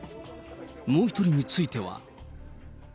もう１人については。